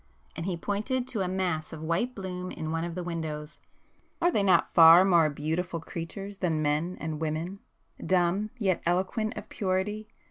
and he pointed to a mass of white bloom in one of the windows—"Are they not far more beautiful creatures than men and women? Dumb—yet eloquent of purity!